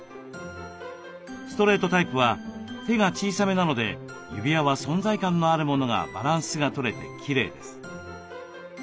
ストレートタイプは手が小さめなので指輪は存在感のあるものがバランスがとれてきれいです。